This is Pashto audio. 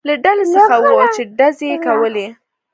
له ډلې څخه و، چې ډزې یې کولې.